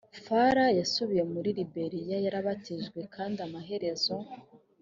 falla yasubiye muri liberiya yarabatijwe kandi amaherezo